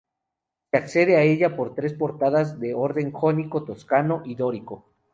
Se accede a ella por tres portadas de orden jónico, toscano y dórico.